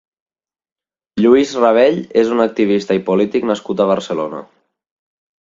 Lluís Rabell és un activista i polític nascut a Barcelona.